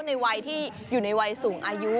ในวัยที่อยู่ในวัยสูงอายุ